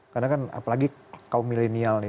karena kan apalagi kaum milenial nih